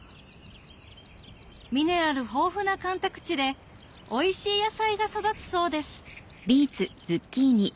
ミネラル豊富な干拓地でおいしい野菜が育つそうです